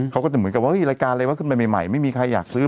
เขาก็จะเหมือนกับว่ารายการอะไรวะขึ้นไปใหม่ไม่มีใครอยากซื้อ